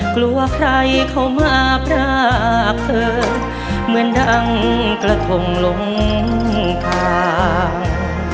กลัวใครเข้ามาพรากเธอเหมือนดังกระทงลงทาง